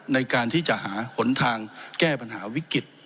ในการที่จะหาหนทางแก้ปัญหาวิกฤต